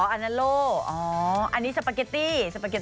อ๋ออันนโลอ๋ออันนี้สปาเก็ตตี้